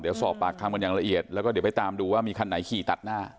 เดี๋ยวสอบปากคำกันอย่างละเอียดแล้วก็เดี๋ยวไปตามดูว่ามีคันไหนขี่ตัดหน้า